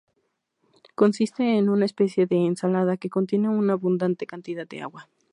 Consiste en una especie de ensalada que contiene una abundante cantidad de agua.